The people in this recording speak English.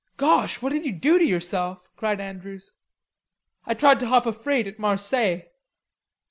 "Gosh, what did you do to yourself?" cried Andrews. "I tried to hop a freight at Marseilles."